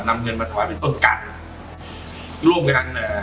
นำเงินมาถวายเธอทนการร่วมการอ่า